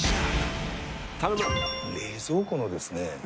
冷蔵庫のですね